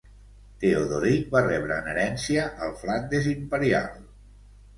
Teodoric va rebre en herència el Flandes imperial.